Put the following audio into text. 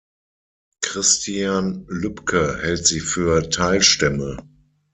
Christian Lübke hält sie für Teilstämme.